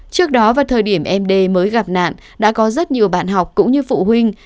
trước đó vào thời điểm em d mới gặp nạn đã có rất nhiều bạn học cũng như phụ huynh